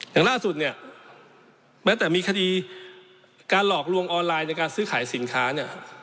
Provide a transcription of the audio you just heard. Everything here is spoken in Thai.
อย่างล่าสุดเนี่ยแม้แต่มีคดีการหลอกลวงออนไลน์ในการซื้อขายสินค้าเนี่ย